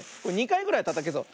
２かいぐらいたたけそう。